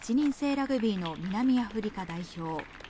ラグビーの南アフリカ代表。